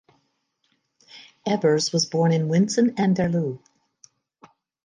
Evers was born in Winsen an der Luhe.